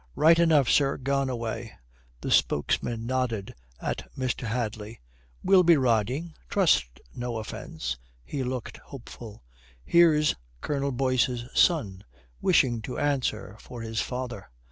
"Right enough, sir, gone away." The spokesman nodded at Mr. Hadley. "We'll be riding. Trust no offence?" He looked hopeful. "Here's Colonel Boyce's son, wishing to answer for his father."